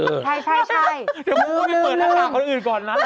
เดี๋ยวน้องไม่ได้เปิดหน้ากากคนอื่นก่อนนะ